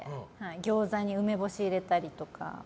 ギョーザに梅干し入れたりとか。